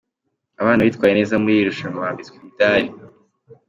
Abana bitwaye neza muri iri rushanwa bambitswe imidari.